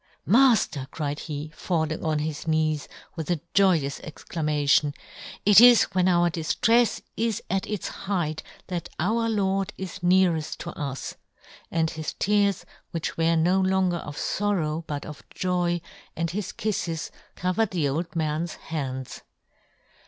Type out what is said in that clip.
" Mafter," cried he, falling on his knees, with a joyous exclamation, " it is when our diftrefs is at its height " that our Lord is neareft to us!" And his tears, which were no longer of forrow but of joy, and his kiffes, co vered the old man's hands.